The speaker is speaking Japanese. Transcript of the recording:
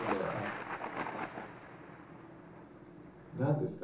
い何ですか？